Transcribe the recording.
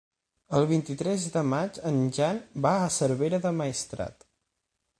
El vint-i-tres de maig en Jan va a Cervera del Maestrat.